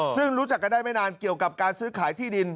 ซึ่งรู้จักกันได้ไม่นานเกี่ยวกับการซื้อขายที่ดิน